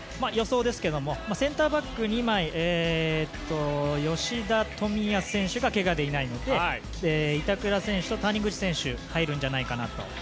予想ですがセンターバック２枚吉田、冨安選手がけがでいないので板倉選手、谷口選手入るんじゃないかなと。